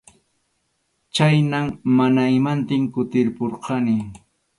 Chhaynam mana imantin kutimpurqani.